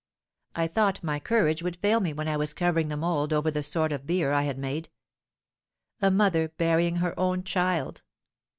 I thought my courage would fail me when I was covering the mould over the sort of bier I had made. A mother burying her own child!